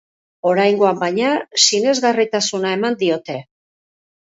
Oraingoan, baina, sinesgarritasuna eman diote.